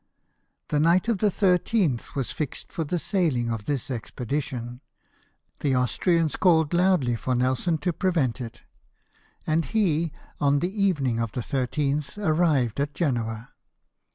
The night of the 13th was fixed for the sailing of this expedition ; the Austrians called loudly for Nelson to prevent it ; and he, on the evening of the 13th, arrived at Genoa.